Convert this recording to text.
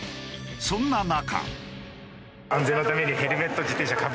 そんな中。